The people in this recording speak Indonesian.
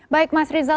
baik mas rizal